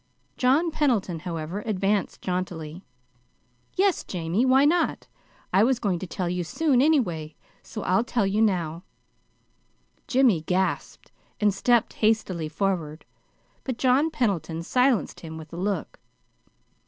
John Pendleton, however, advanced jauntily. "Yes, Jamie; why not? I was going to tell you soon, anyway, so I'll tell you now." (Jimmy gasped and stepped hastily forward, but John Pendleton silenced him with a look.)